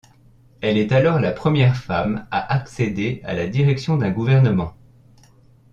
Elle est alors la première femme à accéder à la direction d'un gouvernement.